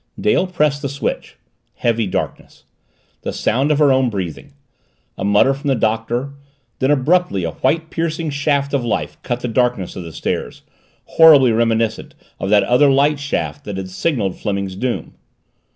Dale pressed the switch. Heavy darkness. The sound of her own breathing. A mutter from the Doctor. Then, abruptly, a white, piercing shaft of light cut the darkness of the stairs horribly reminiscent of that other light shaft that had signaled Fleming's doom.